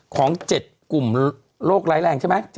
ของ๗กลุ่มโรคร้ายแรงใช่ไหม